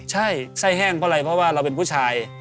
ใช่ไส้แห้งเพราะอะไรเพราะว่าเราเป็นผู้ชาย